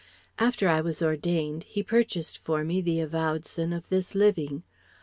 After I was ordained he purchased for me the advowson of this living.